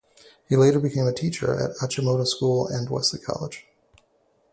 He later became a teacher at Achimota School and Wesley College.